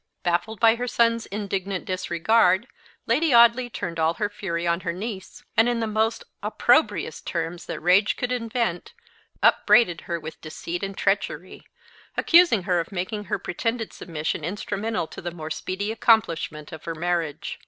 Baffled by her son's indignant disregard, Lady Audley turned all her fury on her niece; and, in the most opprobrious terms that rage could invent, upbraided her with deceit and treachery accusing her of making her pretended submission instrumental to the more speedy accomplishment of her marriage.